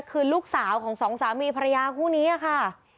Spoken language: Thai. คือลูกสาวของสองสามีภรรยาคู่นี้ค่ะ